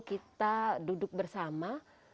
kita duduk bersama